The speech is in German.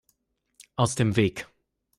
Aus dem Weg!